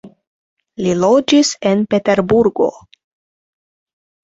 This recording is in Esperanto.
Li loĝis en Peterburgo.